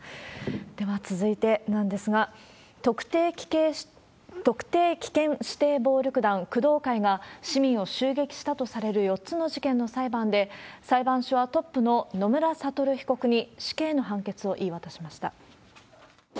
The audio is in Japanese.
では続いてなんですが、特定危険指定暴力団、工藤会が、市民を襲撃したとされる４つの事件の裁判で、裁判所はトップの野村悟被告に死刑の判決を言い渡しました。